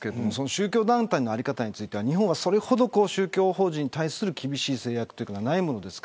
宗教団体の在り方について日本はそれほど宗教法人に対する厳しい制約がないものです。